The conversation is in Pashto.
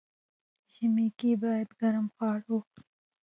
ژمی کی باید ګرم خواړه وخوري.